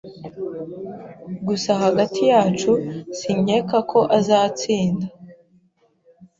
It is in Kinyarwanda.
Gusa hagati yacu, sinkeka ko azatsinda.